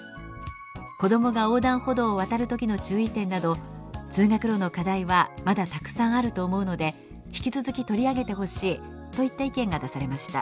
「子供が横断歩道を渡る時の注意点など通学路の課題はまだたくさんあると思うので引き続き取り上げてほしい」といった意見が出されました。